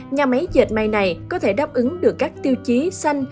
nhà máy dệt may này có thể đáp ứng được các tiêu chí xanh